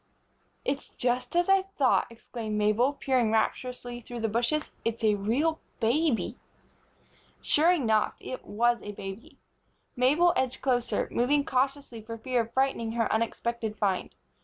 "It's just as I thought!" exclaimed Mabel, peering rapturously through the bushes. "It's a real baby!" Sure enough! It was a baby. Mabel edged closer, moving cautiously for fear of frightening her unexpected find.